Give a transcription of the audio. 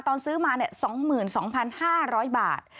ตอนซื้อมา๒๒๕๐๐บาท